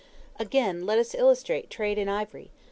Again, let us illustrate trade in ivory.